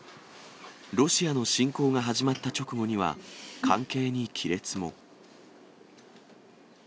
ロシアの侵攻が始まった直後には、関係に亀裂も。